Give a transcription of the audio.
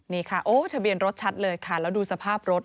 นี่ค่ะโอ้ทะเบียนรถชัดเลยค่ะแล้วดูสภาพรถ